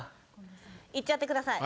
いっちゃってください